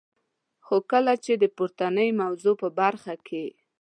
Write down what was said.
خو کله چي د پورتنی موضوع په برخه کي.